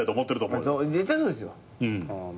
絶対そうですよ。